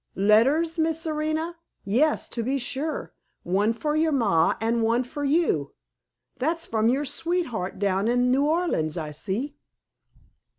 "Letters, Miss Serena? Yes, to be sure. One for your ma, and one for you. That's from your sweetheart down in New Orleans, I see."